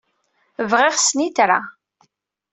Bɣiɣ snitra.